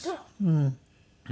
うん。